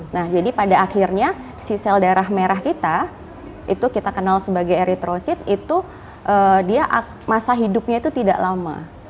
nah jadi pada akhirnya si sel darah merah kita itu kita kenal sebagai eritrosit itu dia masa hidupnya itu tidak lama